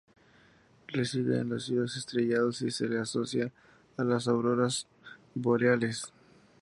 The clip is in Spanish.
Reside en los cielos estrellados y se la asocia a las auroras boreales.